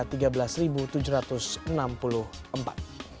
berita terkini mengenai cuaca ekstrem dua ribu dua puluh satu di indonesia